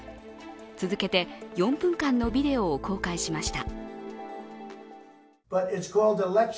続けて４分間のビデオを公開しました。